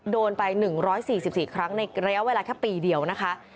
โดนไป๑๔๔ครั้งในระยะเวลาแค่ปีเดียวนะคะ